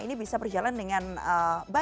ini bisa berjalan dengan baik